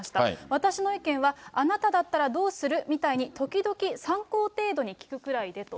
私の意見は、あなただったらどうする？みたいに時々、参考程度に聞くくらいでと。